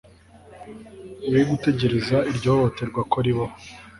we gutegereza iryo hohoterwa ko ribaho